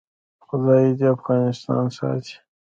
خدای دې افغانستان ساتي